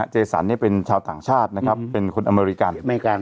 เจสันเนี่ยเป็นชาวต่างชาตินะครับเป็นคนอเมริกัน